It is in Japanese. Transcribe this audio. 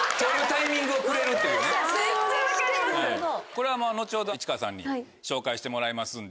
これは後ほど市川さんに紹介してもらいますんで。